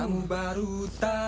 nah sampai jumpa